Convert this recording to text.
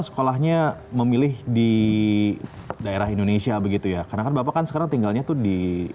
sekolahnya memilih di daerah indonesia begitu ya karena kan bapak kan sekarang tinggalnya tuh di